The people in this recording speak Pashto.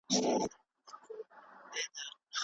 ایا ړوند ډاکټر په ګڼ ځای کي اوږده کیسه کوي؟